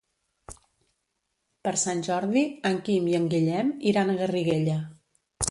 Per Sant Jordi en Quim i en Guillem iran a Garriguella.